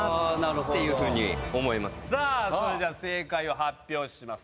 それでは正解を発表します。